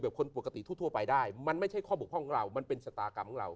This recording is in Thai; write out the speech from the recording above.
คนปกติทั่วไปได้มันไม่ใช่ข้อบกพ่องของเรามันเป็นชะตากรรมของเรา